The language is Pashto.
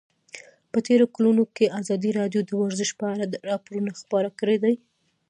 په تېرو کلونو کې ازادي راډیو د ورزش په اړه راپورونه خپاره کړي دي.